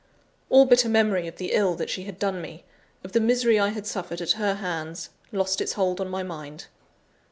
All bitter memory of the ill that she had done me, of the misery I had suffered at her hands, lost its hold on my mind.